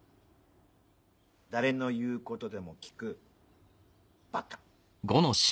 誰の言うことでも聞くバカ。